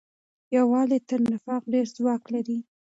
یووالی تر نفاق ډېر ځواک لري.